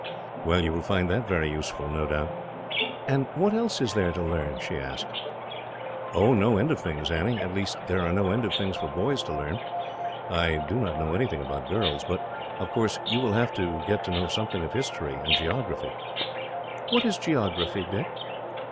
"Well, you will find that very useful, no doubt." "And what else is there to learn?" she asked. "No end of things, Annie at least, there are no end of things for boys to learn. I do not know anything about girls. But, of course, you will have to get to know something of history and geography." "What is geography, Dick?"